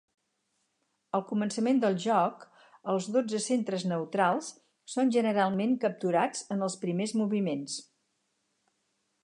Al començament del joc, els dotze centres neutrals són generalment capturats en els primers moviments.